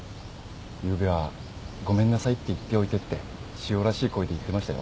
「ゆうべはごめんなさいって言っておいて」ってしおらしい声で言ってましたよ。